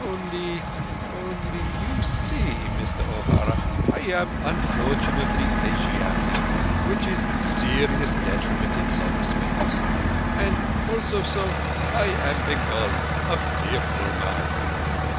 Onlee—onlee—you see, Mister O'Hara, I am unfortunately Asiatic, which is serious detriment in some respects. And _all_so I am Bengali—a fearful man."